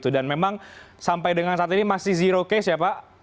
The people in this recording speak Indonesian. dan memang sampai dengan saat ini masih zero case ya pak dobes